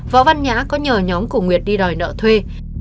võ văn nhã có nhờ nhóm của nguyệt đi đòi nợ thuê